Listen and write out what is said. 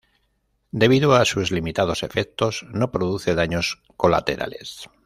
Debido a sus limitados efectos, no produce daños colaterales.